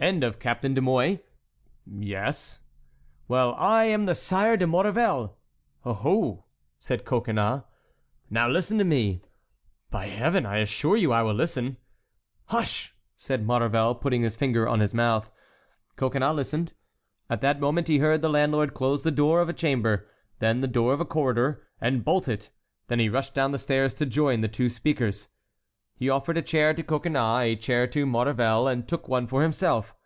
"And of Captain de Mouy." "Yes." "Well, I am the Sire de Maurevel." "Oho!" said Coconnas. "Now listen to me!" "By Heaven! I assure you I will listen!" "Hush!" said Maurevel, putting his finger on his mouth. Coconnas listened. At that moment he heard the landlord close the door of a chamber, then the door of a corridor, and bolt it. Then he rushed down the stairs to join the two speakers. He offered a chair to Coconnas, a chair to Maurevel, and took one for himself.